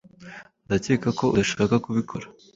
Ndakeka ko udashaka kubikora?